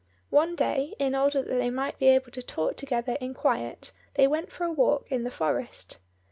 One day in order that they might be able to talk together in quiet they went for a walk in the forest.